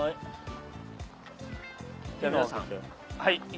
はい。